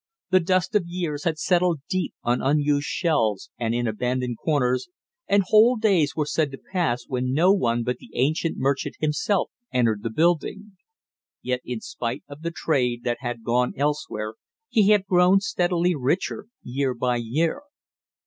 The dust of years had settled deep on unused shelves and, in abandoned corners, and whole days were said to pass when no one but the ancient merchant himself entered the building. Yet in spite of the trade that had gone elsewhere he had grown steadily richer year by year.